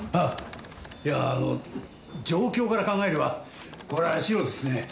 いや状況から考えればこれはシロですね。